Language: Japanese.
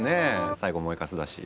最後燃えかすだし。